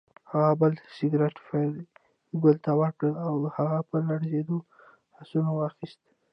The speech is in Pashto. هغه بل سګرټ فریدګل ته ورکړ او هغه په لړزېدلو لاسونو واخیست